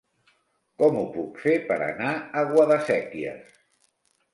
Com ho puc fer per anar a Guadasséquies?